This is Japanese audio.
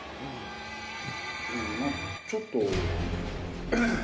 ちょっと。